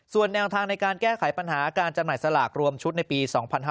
ส่วนแนวทางในการแก้ไขปัญหาการจำหน่ายสลากรวมชุดในปี๒๕๕๙